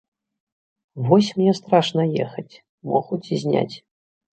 Вось мне страшна ехаць, могуць зняць.